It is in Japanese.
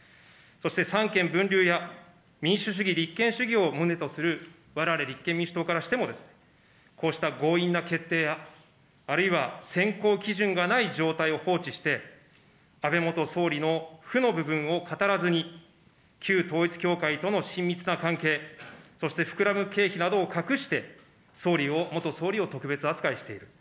そして三権の分離や民主主義、立憲主義を旨とするわれわれ立憲民主党からしても、こうした強引な決定や、あるいは、選考基準がない状態を放置して、安倍元総理の負の部分を語らずに、旧統一教会との親密な関係、そして膨らむ経費などを隠して、総理を、元総理を特別扱いしている。